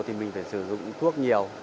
thì mình phải sử dụng thuốc nhiều